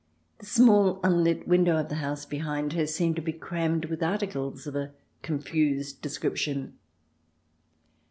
The small, unlit window of the house behind her seemed to be crammed with articles of a confused description.